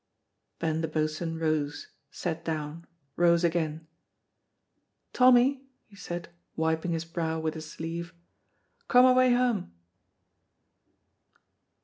Ben the Boatswain rose, sat down, rose again, "Tommy," he said, wiping his brow with his sleeve, "come awa' hame!"